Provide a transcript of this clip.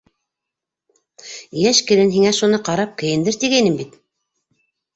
Йәш килен, һиңә шуны ҡарап кейендер, тигәйнем бит.